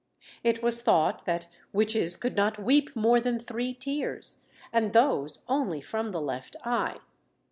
It was thought that witches could not weep more than three tears, and those only from the left eye.